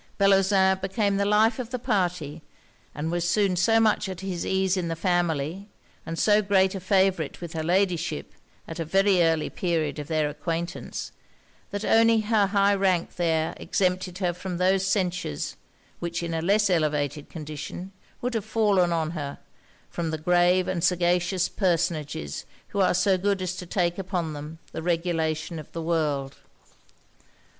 Bellozane became the life of the party; and was soon so much at his ease in the family, and so great a favourite with her Ladyship, at a very early period of their acquaintance, that only her high rank there exempted her from those censures, which, in a less elevated condition, would have fallen on her, from the grave and sagacious personages who are so good as to take upon them the regulation of the world.